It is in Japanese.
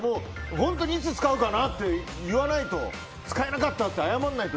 本当にいつ使うかなって言わないと使えなかったって謝らないと。